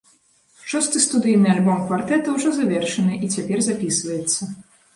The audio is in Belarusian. Шосты студыйны альбом квартэта ўжо завершаны і цяпер запісваецца.